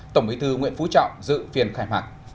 tổng bí thư nguyễn phú trọng dự phiên khai mạc